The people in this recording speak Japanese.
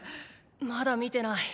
まだ見てない。